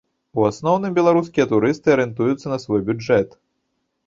У асноўным, беларускія турысты арыентуюцца на свой бюджэт.